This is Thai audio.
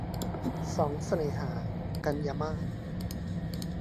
สองเสน่หา - กันยามาส